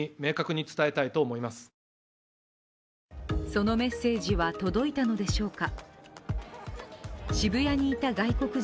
そのメッセージは届いたのでしょうか。